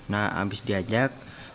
nah habis diajak